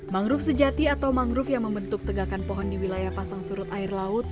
mangrove sejati atau mangrove yang membentuk tegakan pohon di wilayah pasang surut air laut